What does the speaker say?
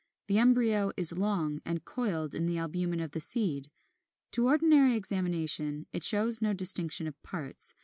The embryo is long, and coiled in the albumen of the seed. To ordinary examination it shows no distinction of parts.